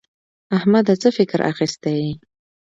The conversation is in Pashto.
احمده څه فکر اخيستی يې؟